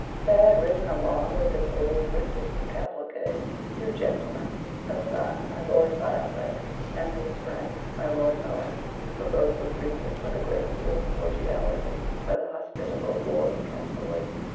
There had ridden along with this old Princess's cavalcade, two gentlemen: her son, my Lord Firebrace, and his friend, my Lord Mohun, who both were greeted with a great deal of cordiality by the hospitable Lord of Castlewood.